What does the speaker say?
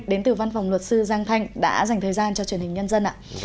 đến từ văn phòng luật sư giang thanh đã dành thời gian cho truyền hình nhân dân ạ